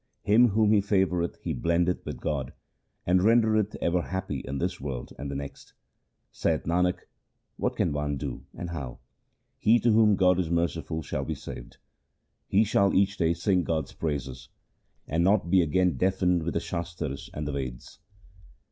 Him whom he favoureth he blendeth with God, And rendereth ever happy in this world and the next. Saith Nanak, what can one do and how ? He to whom God is merciful shall be saved ; He shall each day sing God's praises, And not be again deafened with the Shastars and the Veds.'